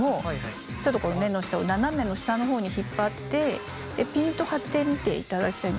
ちょっとこの目の下を斜めの下のほうに引っ張ってピンと張ってみていただきたいんですね。